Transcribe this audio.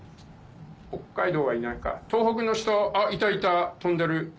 北海道はいないか東北の人あっいたいた跳んでる。